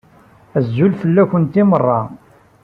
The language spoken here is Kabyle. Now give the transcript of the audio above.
Azul fell-akent i meṛṛa.